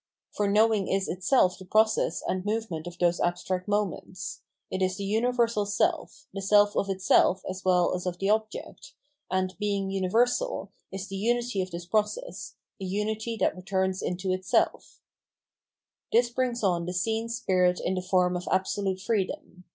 For knowing is itself the process and movement of those abstract moments ; it is the umver sal self, the self of itself as well as of the object, and, being universal, is the unity of this process, a umty that returns into itself. VOL. 11. — N 594 Phenomenology of Blind This brings on the scene spirit in the form of absolute freedom.